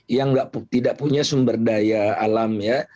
yang tidak punya sumber daya alam ya